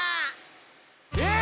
えっ！？